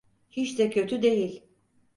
Hiç de kötü değil.